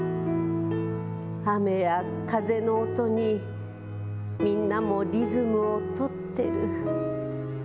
雨や風の音にみんなもリズムを取ってる。